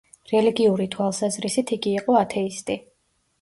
რელიგიური თვალსაზრისით იგი იყო ათეისტი.